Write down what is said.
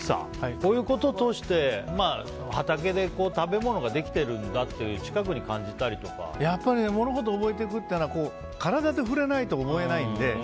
こういうことを通して畑で食べ物ができてるんだって物事を覚えていくということは体でやらないと覚えないので。